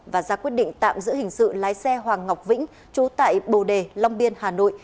và ra quyết định tạm giữ hình sự lái xe hoàng ngọc vĩnh trú tại bồ đề long biên hà nội